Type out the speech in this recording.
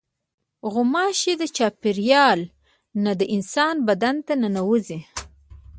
غوماشې له چاپېریاله نه د انسان بدن ته ننوځي.